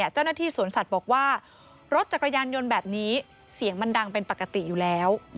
เจ้าหน้าที่สวนสัตว์บอกว่ารถจักรยานยนต์แบบนี้เสียงมันดังเป็นปกติอยู่แล้ว